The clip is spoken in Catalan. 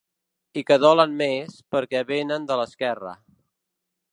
I que dolen més, perquè vénen de l’esquerra.